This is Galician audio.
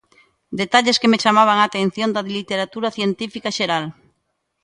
Detalles que me chamaban a atención da literatura científica xeral.